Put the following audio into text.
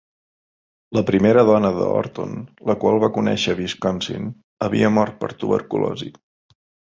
La primera dona de Horton, la qual va conèixer a Wisconsin, havia mort per tuberculosi.